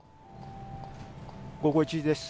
午後１時です。